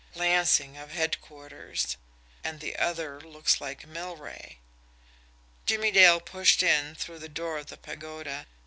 "Lansing, of headquarters, and the other looks like Milrae." Jimmie Dale pushed in through the door of the Pagoda.